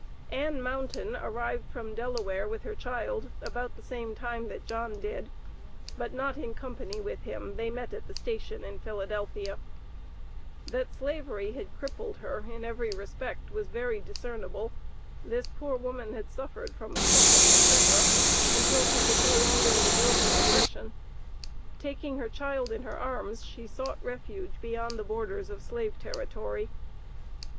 Ann Mountain arrived from Delaware with her child about the same time that John did, but not in company with him; they met at the station in Philadelphia. That Slavery had crippled her in every respect was very discernible; this poor woman had suffered from cuffing, etc., until she could no longer endure her oppression. Taking her child in her arms, she sought refuge beyond the borders of slave territory.